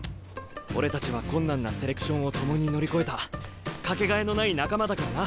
俺たちは困難なセレクションを共に乗り越えた掛けがえのない仲間だからな！